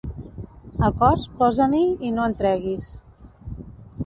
Al cos, posa-n'hi i no en treguis.